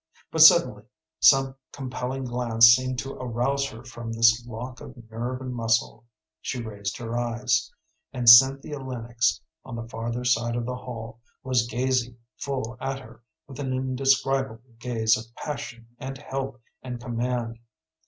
But suddenly some compelling glance seemed to arouse her from this lock of nerve and muscle; she raised her eyes, and Cynthia Lennox, on the farther side of the hall, was gazing full at her with an indescribable gaze of passion and help and command.